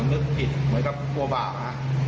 นึกผิดเหมือนกับกลัวบาป